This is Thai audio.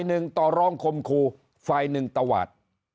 หนึ่งต่อร้องคมครูฝ่ายหนึ่งตวาด